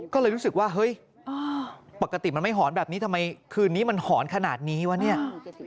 ก็เลยรู้สึกว่าเฮ้ยปกติมันไม่หอนแบบนี้ทำไมคืนนี้มันหอนขนาดนี้วะเนี่ย